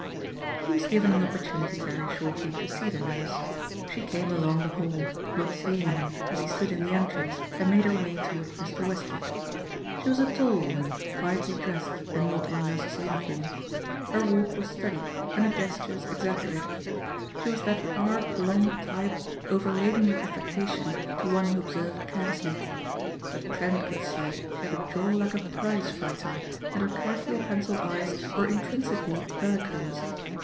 He was given an opportunity very shortly to see the nurse. She came along the hall, not seeing him as he stood in the entrance, and made her way toward Mr. Westward. She was a tall woman, quietly dressed and not in nurses' uniform. Her walk was studied and her gestures exaggerated. She was that hard, blond type overladen with affectation to one who observed carelessly. But Trent could see she had a jaw like a prize fighter and her carefully pencilled eyes were intrinsically bellicose.